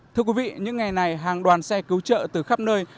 thưa quý vị những ngày này hàng đoàn xe cứu trợ từ khắp nơi